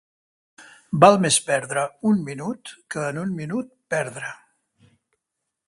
Val més perdre un minut que en un minut perdre.